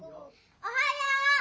おはよう！